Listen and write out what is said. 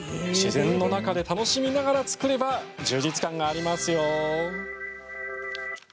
自然の中で楽しみながら作れば充実感がありますよ。